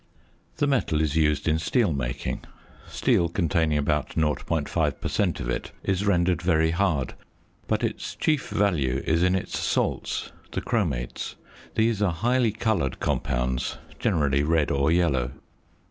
The metal is used in steel making. Steel containing about 0.5 per cent. of it is rendered very hard; but its chief value is in its salts, the chromates. These are highly coloured compounds, generally red or yellow.